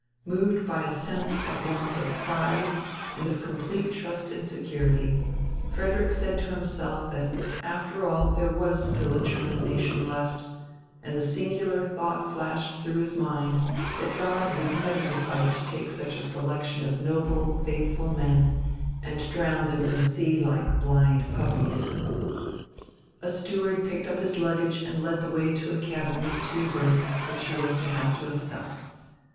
Moved by a sense at once of pride and of complete trust and security, Frederick said to himself that after all there was still a German nation left; and the singular thought flashed through his mind that God would never decide to take such a selection of noble, faithful men and drown them in the sea like blind puppies. A steward picked up his luggage and led the way to a cabin with two berths, which he was to have to himself.